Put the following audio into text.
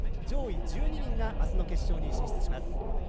上位１２人があすの決勝に進出します。